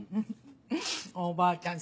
おばあちゃん